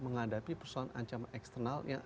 menghadapi persoalan ancaman eksternal yang